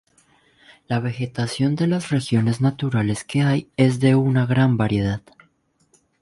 La vegetación de las regiones naturales que hay es de una gran variedad.